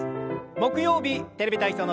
木曜日「テレビ体操」の時間です。